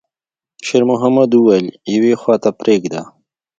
شېرمحمد وويل: «يوې خواته پرېږده.»